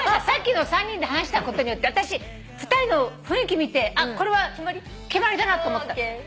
さっきの３人で話したことによって私２人の雰囲気見てあっこれは決まりだなと思った。